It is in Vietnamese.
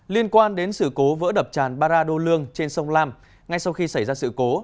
liên quan đến sự cố vỡ đập tràn barado lương trên sông lam ngay sau khi xảy ra sự cố